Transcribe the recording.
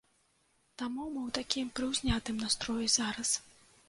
Таму мы ў такім прыўзнятым настроі зараз.